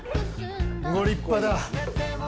ご立派だ。